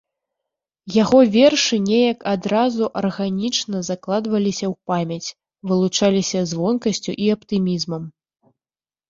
Яго вершы неяк адразу арганічна закладваліся ў памяць, вылучаліся звонкасцю і аптымізмам.